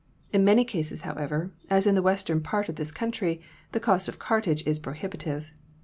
In many cases, however, as in the western part of this country, the cost of cartage is prohibitive.